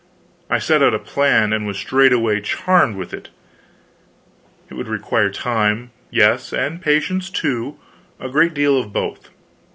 I set about a plan, and was straightway charmed with it. It would require time, yes, and patience, too, a great deal of both.